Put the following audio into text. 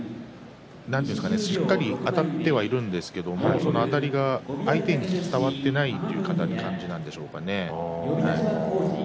しっかりあたってはいるんですけれどそのあたりが相手に伝わっていないっていう感じなんでしょうかね。